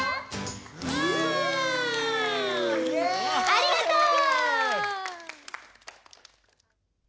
ありがとう！